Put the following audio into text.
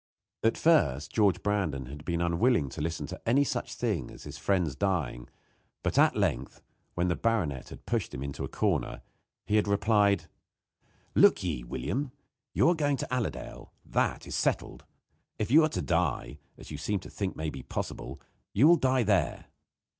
At first George Brandon had been unwilling to listen to any such thing as his friend's dying; but, at length, when the baronet had pushed him into a corner, he had replied: "Look ye, William, you are going to Allerdale. That is settled. If you are to die, as you seem to think may be possible, you will die there.